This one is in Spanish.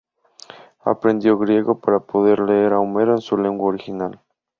Aprendió griego para poder leer a Homero en su lengua original.